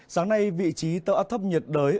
sáng nay vị trí tàu áp thấp nhiệt đới